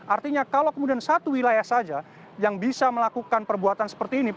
artinya kalau kemudian satu wilayah saja yang bisa melakukan perbuatan seperti ini